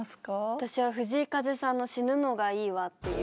私は藤井風さんの『死ぬのがいいわ』っていう。